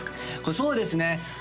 そうですね